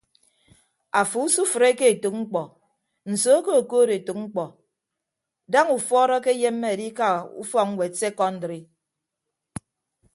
Afo usufreke etәk mkpọ nsoo ke okood etәk mkpọ daña ufuọd akeyemme adika ufọk ñwed sekọndri.